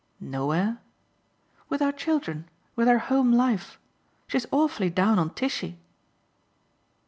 "Nowhere?" "With our children with our home life. She's awfully down on Tishy."